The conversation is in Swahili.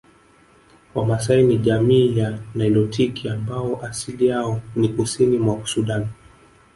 Wamaasai ni jamii ya nilotiki ambao asili yao ni kusini mwa Sudan